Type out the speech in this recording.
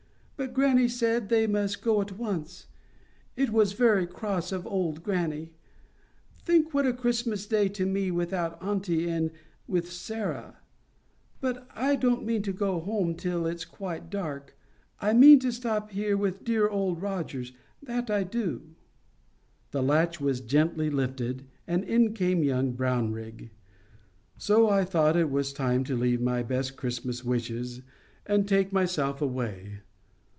But grannie said they must go at once. It was very cross of old grannie. Think what a Christmas Day to me without auntie, and with Sarah! But I don't mean to go home till it's quite dark. I mean to stop here with dear Old Rogers—that I do." The latch was gently lifted, and in came young Brownrigg. So I thought it was time to leave my best Christmas wishes and take myself away.